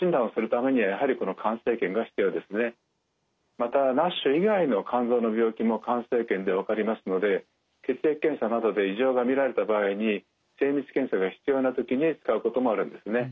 またＮＡＳＨ以外の肝臓の病気も肝生検で分かりますので血液検査などで異常が見られた場合に精密検査が必要な時に使うこともあるんですね。